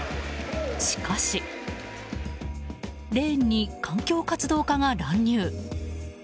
しかしレーンに環境活動家が乱入。